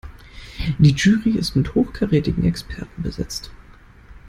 Die Jury ist mit hochkarätigen Experten besetzt.